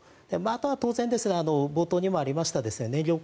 あとは当然ですが冒頭にもありました